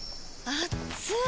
あっつい！